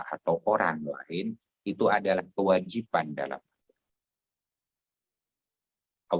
atau orang lain itu adalah kewajiban dalam